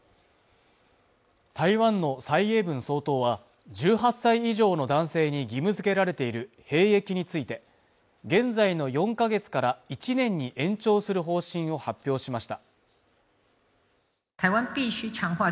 台湾の蔡英文総統は１８歳以上の男性に義務づけられている兵役について現在の４か月から１年に延長する方針を発表しました